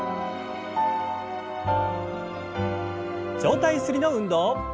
上体ゆすりの運動。